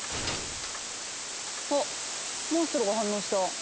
あっモンストロが反応した。